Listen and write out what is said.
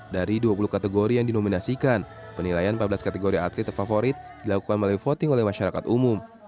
dari dua puluh kategori yang dinominasikan penilaian empat belas kategori atlet terfavorit dilakukan melalui voting oleh masyarakat umum